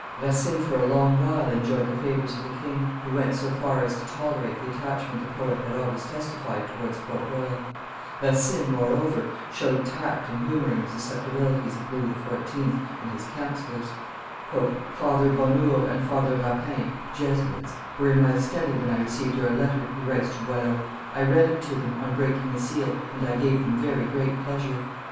Racine for a long while enjoyed the favors of the king, who went so far as to tolerate the attachment the poet had always testified towards Port Royal. Racine, moreover, showed tact in humoring the susceptibilities of Louis XIV. and his counsellors. "Father Bonhours and Father Rapin (Jesuits) were in my study when I received your letter," he writes to Boileau. "I read it to them, on breaking the seal, and I gave them very great pleasure.